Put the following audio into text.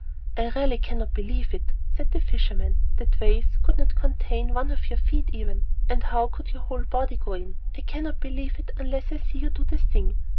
"I really cannot believe it," said the fisherman. "That vase could not contain one of your feet even, and how could your whole body go in? I cannot believe it unless I see you do the thing."